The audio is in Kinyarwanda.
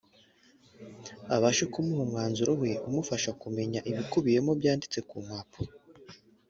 abashe kumuha umwanzuro we umufasha kumenya ibikubiyemo byanditse ku mpapuro